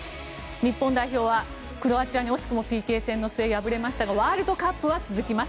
日本代表はクロアチアに惜しくもＰＫ戦の末敗れましたがワールドカップは続きます。